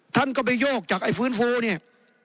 ท่านก็ไปโยกจากไอ้ฟื้นฟูเนี่ย